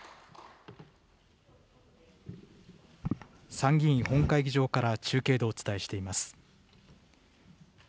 参議院本会議場から中継でお伝えしています。